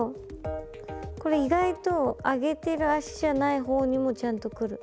これ意外と上げてる脚じゃない方にもちゃんとくる。